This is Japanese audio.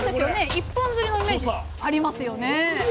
一本釣りのイメージありますよね